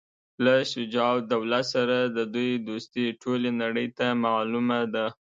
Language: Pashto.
له شجاع الدوله سره د دوی دوستي ټولي نړۍ ته معلومه ده.